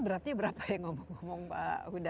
berarti berapa ya ngomong pak huda